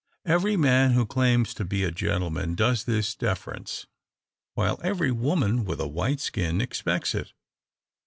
Every man who claims to be a gentleman does this deference; while every woman, with a white skin, expects it.